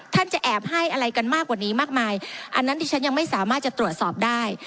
จะแอบให้อะไรกันมากกว่านี้มากมายอันนั้นที่ฉันยังไม่สามารถจะตรวจสอบได้